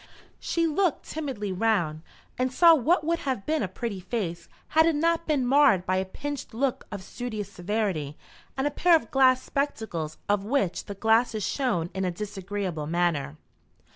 She looked timidly round, and saw what would have been a pretty face, had it not been marred by a pinched look of studious severity and a pair of glass spectacles of which the glasses shone in a disagreeable manner.